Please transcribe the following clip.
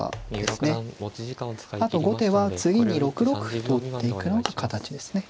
あと後手は次に６六歩と打っていくのが形ですね。